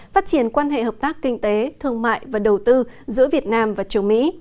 phát triển quan hệ hợp tác kinh tế thương mại và đầu tư giữa việt nam và châu mỹ